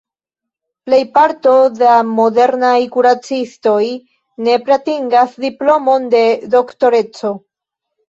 Plejparto da modernaj kuracistoj nepre atingas diplomon de Doktoreco.